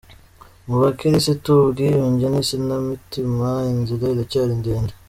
Mu Bakirisitu ubwiyunge n’isanamitima inzira iracyari ndende